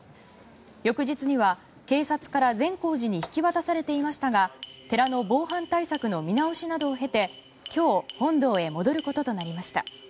翌日には警察から善光寺に引き渡されていましたが寺の防犯対策の見直しなどを経て今日、本堂へ戻ることとなりました。